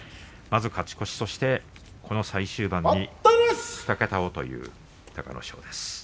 まず勝ち越し、最終盤に２桁をという隆の勝です。